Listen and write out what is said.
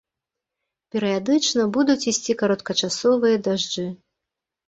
Перыядычна будуць ісці кароткачасовыя дажджы.